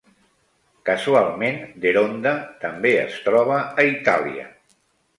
Casualment, Deronda també es troba a Itàlia.